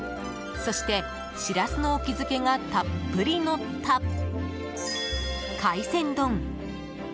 そしてシラスの沖漬けがたっぷりのった海鮮丼。